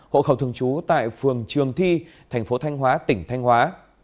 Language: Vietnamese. hộ khẩu thường trú tại phường trường thi tp thanh hóa tỉnh thanh hóa